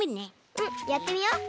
うんやってみよう。